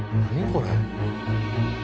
これ。